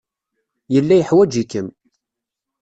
Yella yeḥwaj-ikem.